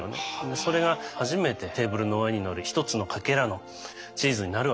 それが初めてテーブルの上に載る１つのかけらのチーズになるわけなんですね。